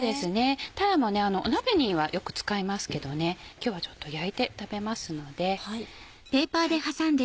たらも鍋にはよく使いますけど今日はちょっと焼いて食べますので。